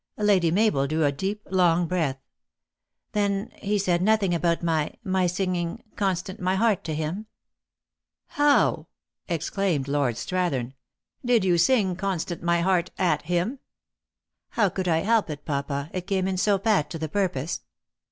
Lady Mabel drew a deep, long breath. " Then he said nothing about my my singing Constant my heart to him ?"" How !" exclaimed Lord Strathern. " Did you sing Constant my heart at him ?"" How could I help it, papa, it came in so pat to the purpose